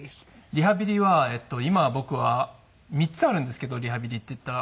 リハビリは今僕は３つあるんですけどリハビリっていったら。